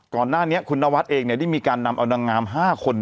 ก่อนหน้านี้คุณนวัดเองได้มีการนำเอานางงาม๕คน